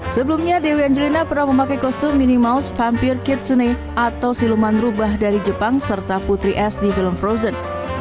sebelumnya dewi angelina pernah memakai kostum minimals vampire kitsune atau siluman rubah dari jepang serta putri es di film frozen